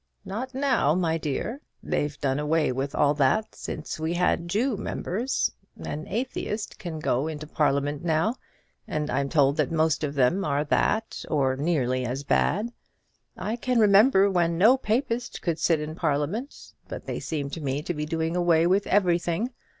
"Not now, my dear. They've done away with all that since we had Jew members. An atheist can go into Parliament now; and I'm told that most of them are that, or nearly as bad. I can remember when no Papist could sit in Parliament. But they seem to me to be doing away with everything.